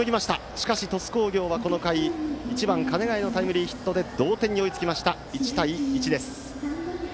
しかし鳥栖工業はこの回１番鐘ヶ江のタイムリーヒットで同点に追いつき、１対１です。